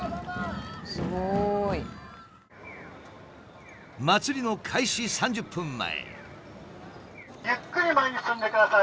すごい！祭りの開始３０分前。